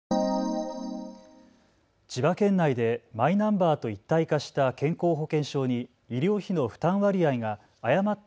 千葉県内でマイナンバーと一体化した健康保険証に医療費の負担割合が誤って